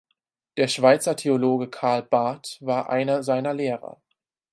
Der Schweizer Theologe Karl Barth war einer seiner Lehrer.